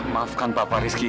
maafkan papa harisky